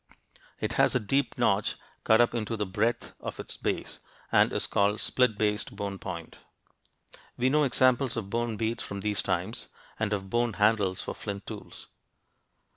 It has a deep notch cut up into the breadth of its base, and is called a "split based bone point" (p. 82). We know examples of bone beads from these times, and of bone handles for flint tools.